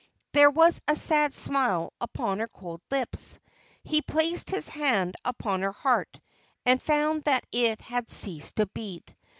There was a sad smile upon her cold lips. He placed his hand upon her heart, and found that it had ceased to beat.